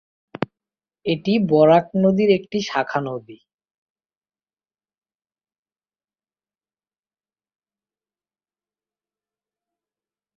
এটি বরাক নদীর একটি শাখা নদী।